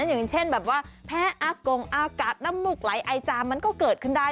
อย่างเช่นแบบว่าแพ้อากงอากาศน้ำมูกไหลไอจามมันก็เกิดขึ้นได้